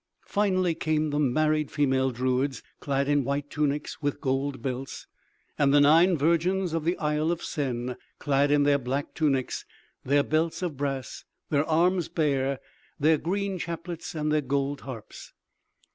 Finally came the married female druids, clad in white tunics with gold belts, and the nine virgins of the Isle of Sen, clad in their black tunics, their belts of brass, their arms bare, their green chaplets and their gold harps.